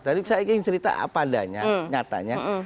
tadi saya ingin cerita apa adanya nyatanya